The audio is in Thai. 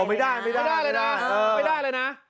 ไม่ได้เลยนะไม่ได้เลยนะ